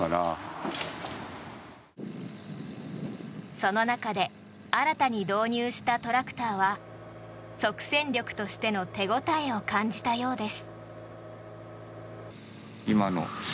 その中で新たに導入したトラクターは即戦力としての手応えを感じたようです。